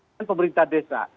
dan pemerintah desa